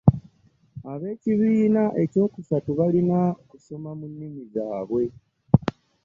Ab'ekibiina ekyokusatu balina kusoma mu nnimi zaabwe.